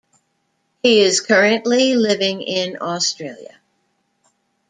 He is currently living in Australia.